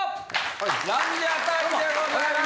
ランジャタイでございます。